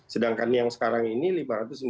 sedangkan yang sekarang ini lima ratus sembilan puluh